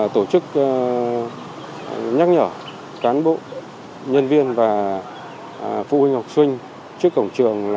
tổ chức nhắc nhở cán bộ nhân viên và phụ huynh học sinh trước cổng trường